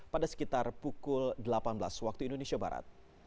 pada sekitar pukul delapan belas waktu indonesia barat